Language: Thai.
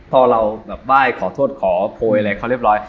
พอเราบ้ายขอโทษขอโพยอะไรเค้าเรียบร้อย